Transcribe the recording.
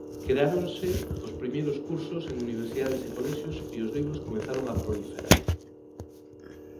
Creáronse os primeiros cursos en universidades e colexios e os libros comezaron a proliferar.